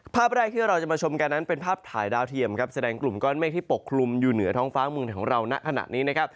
ภาพแรกที่เราจะมาชมกันนั้นเป็นภาพถ่ายดาวเทียมครับแสดงกลุ่มก้อนเมฆที่ปกคลุมอยู่เหนือท้องฟ้าเมืองของเราณขณะนี้นะครับ